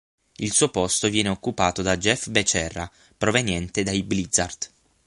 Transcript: Il suo posto viene occupato da Jeff Becerra proveniente dai Blizzard.